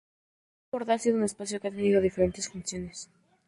El Jardín Borda ha sido un espacio que ha tenido diferentes funciones.